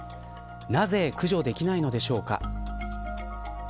なぜ駆除できないのでしょうか。